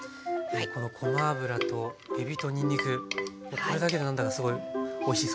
このごま油とえびとにんにくこれだけで何だかすごいおいしそう。